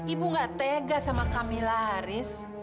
ibu gak tega sama kamila riz